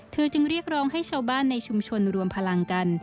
จึงเรียกร้องให้ชาวบ้านในชุมชนรวมพลังกัน